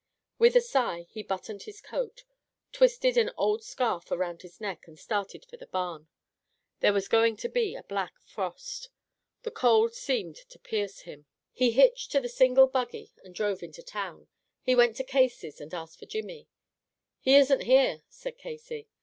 With a sigh, he buttoned his coat, twisted an old scarf around his neck, and started for the barn. There was going to be a black frost. The cold seemed to pierce him. He hitched to the single buggy, and drove to town. He went to Casey's, and asked for Jimmy. "He isn't here," said Casey.